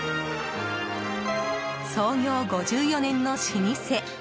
創業５４年の老舗。